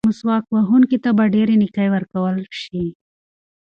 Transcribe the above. مسواک وهونکي ته به ډېرې نیکۍ ورکړل شي.